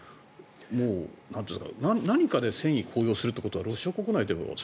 何かで戦意高揚するってことはロシア国内では。